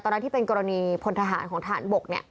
นั้นที่เป็นกรณีพลทหารของทหารบก